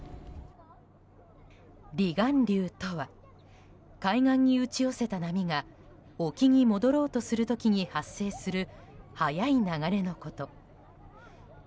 離岸流とは海岸に打ち寄せた波が沖に戻ろうとする時に発生する速い流れのこと。